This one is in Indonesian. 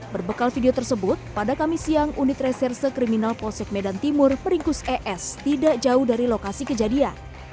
berbekal video tersebut pada kamis siang unit reserse kriminal polsek medan timur peringkus es tidak jauh dari lokasi kejadian